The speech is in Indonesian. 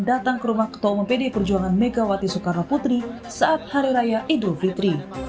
datang ke rumah ketua umum pdi perjuangan megawati soekarno putri saat hari raya idul fitri